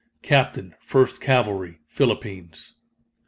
Captain, 1st Cavalry, Philippines.